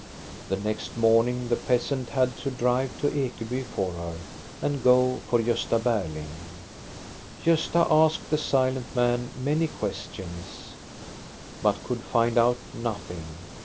The next morning the peasant had to drive to Ekeby for her, and go for Gosta Berling. Gosta asked the silent man many questions, but could find out nothing.